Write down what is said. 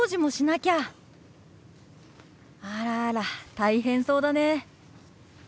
あらあら大変そうだね。